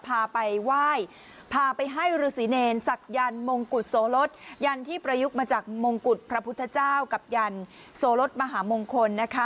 พาไปไหว้พาไปให้ฤษีเนรศักยันต์มงกุฎโสลดยันที่ประยุกต์มาจากมงกุฎพระพุทธเจ้ากับยันโสรสมหามงคลนะคะ